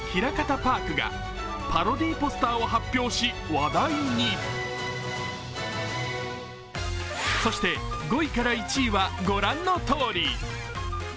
パークがパロディポスターを発表し、話題にそして５位から１位は御覧のとおり。